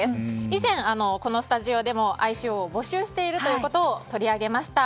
以前、このスタジオでも愛称を募集していることを取り上げました。